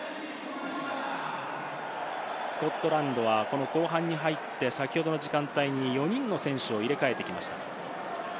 スコットランドはこの後半に入って、先ほどの時間帯に４人の選手を入れ替えてきました。